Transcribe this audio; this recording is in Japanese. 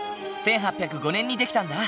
１８０５年に出来たんだ。